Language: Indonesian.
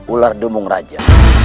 ular dumung raja